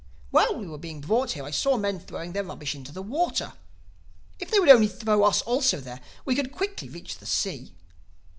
While we were being brought here I saw men throwing their rubbish into the water. If they would only throw us also there, we could quickly reach the sea.